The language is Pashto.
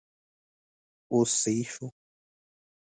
اوس سيي شو!